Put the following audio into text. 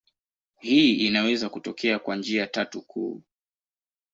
Hii inaweza kutokea kwa njia tatu kuu.